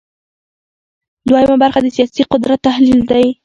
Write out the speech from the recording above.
دویمه برخه د سیاسي قدرت تحلیل دی.